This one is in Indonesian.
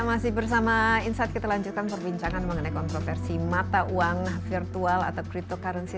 masih bersama insight kita lanjutkan perbincangan mengenai kontroversi mata uang virtual atau cryptocurrency